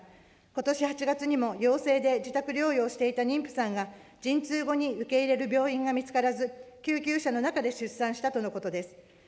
ことし８月にも、陽性で自宅療養していた妊婦さんが、陣痛後に受け入れる病院が見つからず、救急車の中で出産したとのことです。